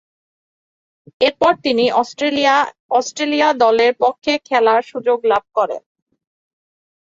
এরপর তিনি Australia A দলের পক্ষে খেলার সুযোগ লাভ করেন।